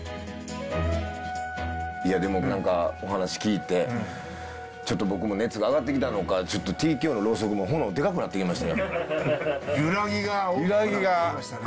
いやでも何かお話聞いてちょっと僕も熱が上がってきたのかちょっと揺らぎが大きくなってきましたね。